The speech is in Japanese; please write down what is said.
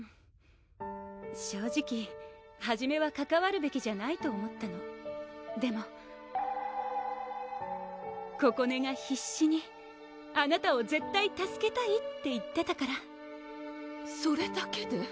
正直はじめはかかわるべきじゃないと思ったのでもここねが必死にあなたを絶対助けたいって言ってたからそれだけで？